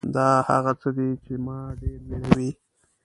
دا هغه څه دي چې ما ډېر وېروي .